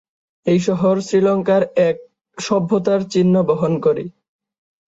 এই শহর শ্রীলঙ্কার এক সত্যতার চিহ্ন বহন করে।